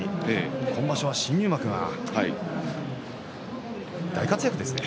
今場所は新入幕が大活躍ですね。